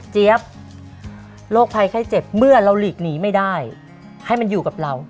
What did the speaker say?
โรคภัยไข้เจ็บเมื่อเราหลีกหนีไม่ได้ให้มันอยู่กับเรา